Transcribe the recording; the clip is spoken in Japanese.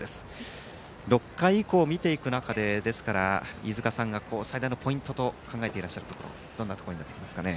６回以降を見ていく中で飯塚さんが最大のポイントと考えていらっしゃるところはどんなところになりますかね。